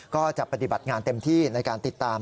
ก็จะปฏิบัติงานเต็มที่ในการติดตาม